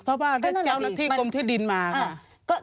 เพราะว่าได้เจ้าหน้าที่กรมที่ดินมาค่ะ